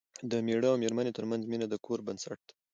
د مېړه او مېرمنې ترمنځ مینه د کور بنسټ دی.